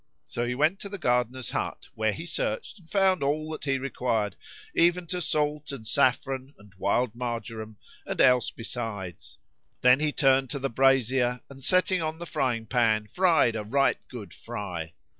So he went to the gardener's hut, where he searched and found all that he required, even to salt and saffron and wild marjoram and else besides. Then he turned to the brasier and, setting on the frying pan, fried a right good fry.